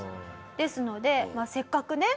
ですのでせっかくね